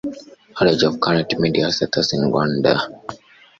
Knowledge of current media status in Rwanda